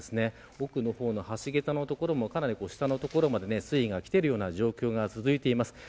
多くの橋桁の所も下の所まで水位がきているような状況が続いています。